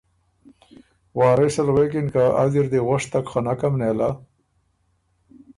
وارث ال غوېکِن که ”از اِر دی غؤشتک خه نکم نېله“